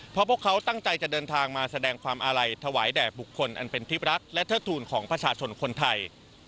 เพราะพวกเขาตั้งใจจะเดินทางมาแสดงความอาลัยถวายแด่บุคคลอันเป็นที่รักและเทิดทูลของประชาชนคนไทย